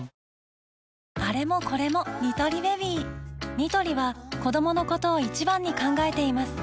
ニトリは子どものことを一番に考えています